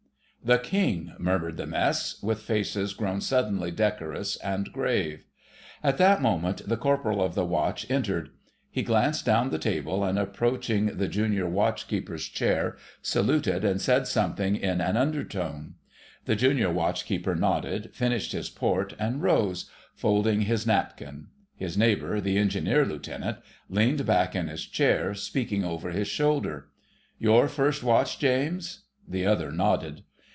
"The King!" murmured the Mess, with faces grown suddenly decorous and grave. At that moment the Corporal of the Watch entered; he glanced down the table, and approaching the Junior Watch keeper's chair saluted and said something in an undertone. The Junior Watch keeper nodded, finished his port, and rose, folding his napkin. His neighbour, the Engineer Lieutenant, leaned back in his chair, speaking over his shoulder— "Your First Watch, James?" The other nodded.